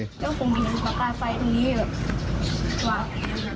แล้วผมเห็นสวรรค์ไฟตรงนี้แบบสวรรค์